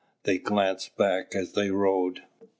They glanced back as they rode.